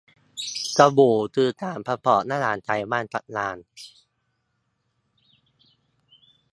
สบู่คือสารประกอบระหว่างไขมันกับด่าง